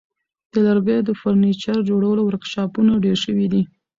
د لرګیو د فرنیچر جوړولو ورکشاپونه ډیر شوي دي.